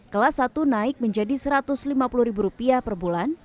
kelas satu naik menjadi rp satu ratus lima puluh per bulan